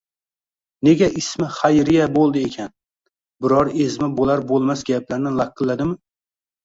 Nega ismi Xayriya bo'ldi ekan? Biror ezma bo'lar-bo'lmas gaplarni laqilladimi?